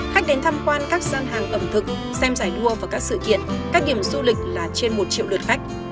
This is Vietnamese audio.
khách đến tham quan các gian hàng ẩm thực xem giải đua và các sự kiện các điểm du lịch là trên một triệu lượt khách